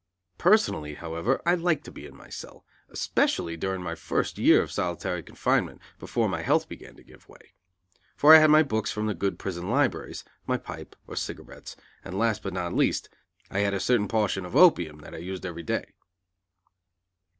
Personally, however, I liked to be in my cell, especially during my first year of solitary confinement, before my health began to give way; for I had my books from the good prison libraries, my pipe or cigarettes, and last, but not least, I had a certain portion of opium that I used every day.